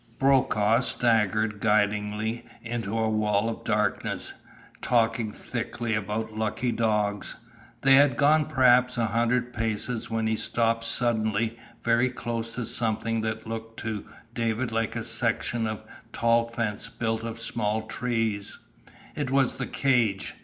Brokaw staggered guidingly into a wall of darkness, talking thickly about lucky dogs. They had gone perhaps a hundred paces when he stopped suddenly, very close to something that looked to David like a section of tall fence built of small trees. It was the cage.